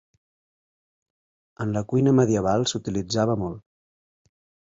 En la cuina medieval s'utilitzava molt.